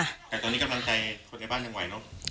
แต่ตอนนี้กำลังใจคนในบ้านยังไหวเนอะ